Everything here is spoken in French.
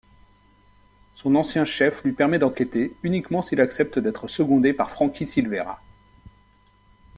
Son ancien chef lui permet d'enquêter, uniquement s'il accepte d'être secondé par Frankie Silvera.